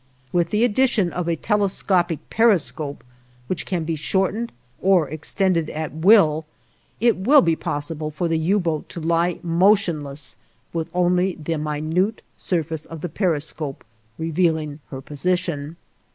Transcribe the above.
With the addition of a telescopic periscope, which can be shortened or extended at will, it will be possible for the U boat to lie motionless with only the minute surface of the periscope revealing her position.